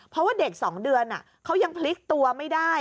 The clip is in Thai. เพราะว่าเด็ก๒เดือนเขายังพลิกตัวไม่ได้